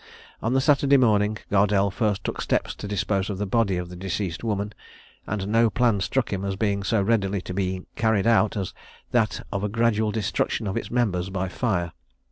On the Saturday morning, Gardelle first took steps to dispose of the body of the deceased woman, and no plan struck him as being so readily to be carried out as that of a gradual destruction of its members by fire.